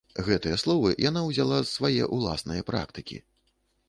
Гэтыя словы яна ўзяла з свае ўласнае практыкі.